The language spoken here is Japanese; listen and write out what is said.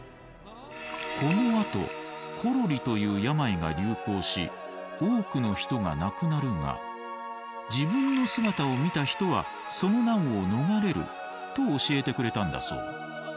このあところりという病が流行し多くの人が亡くなるが自分の姿を見た人はその難を逃れると教えてくれたんだそう。